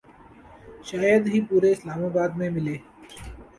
شاید ہی پورے اسلام آباد میں ملے